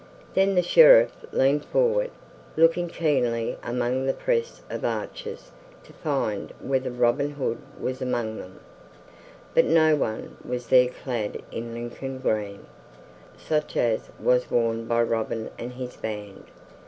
Then the Sheriff leaned forward, looking keenly among the press of archers to find whether Robin Hood was among them; but no one was there clad in Lincoln green, such as was worn by Robin and his band.